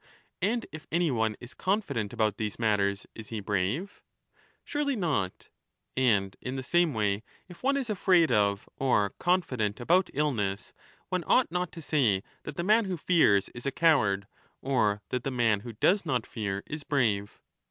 And if any one is confident about these matters, is he brave ? Surely not ! And in the same way if one is afraid of or confident about illness, one ought not to say that the man who fears is a coward or that the man who does not fear is brave.